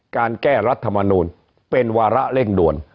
การแก้รัฐมนูลเป็นวาระเร่งด่วน